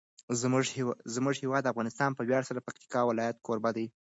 زموږ هیواد افغانستان په ویاړ سره د پکتیکا ولایت کوربه دی.